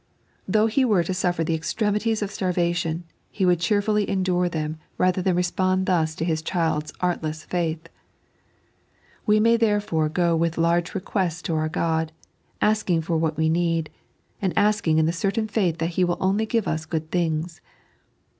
Though he were to suffer the 3.n.iized by Google 178 Thb Rotaijt of oue Life. eztremitieB of Btarration, he would cheerfully endure them radier than reepoud thus to his child's artiees faith. We may therefore go with large requests to our God, asking for what we need, and asking in the certain faith that He will only give ua good things.